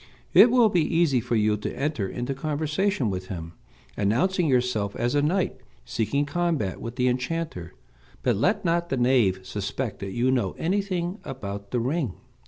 "It will be easy for you to enter into conversation with him, announcing yourself as a knight seeking combat with the enchanter, but let not the knave suspect that you know anything about the ring.